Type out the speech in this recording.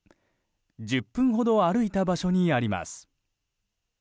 １０分ほど歩いた場所にあります。